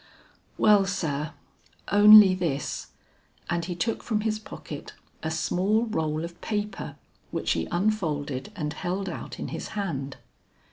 "Well, sir, only this." And he took from his pocket a small roll of paper which he unfolded and held out in his hand.